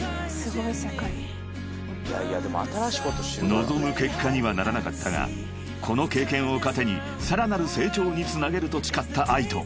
［望む結果にはならなかったがこの経験を糧にさらなる成長につなげると誓ったＡＩＴＯ］